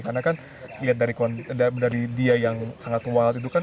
karena kan lihat dari dia yang sangat wild itu kan